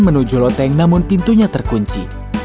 menuju loteng namun pintunya terkunci